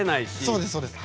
そうですそうです。